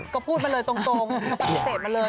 ก็พูดมาเลยตรงปฏิเสธมาเลย